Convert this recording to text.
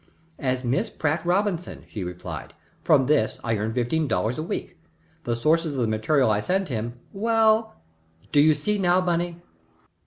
As Miss Pratt Robinson," she replied. "From this I earn fifteen dollars a week. The sources of the material I send him well do you see now, Bunny?"